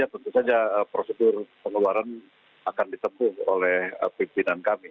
tentu saja prosedur pengeluaran akan ditempuh oleh pimpinan kami